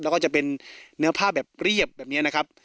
แล้วก็จะเป็นเนื้อผ้าแบบเรียบแบบนี้นะครับ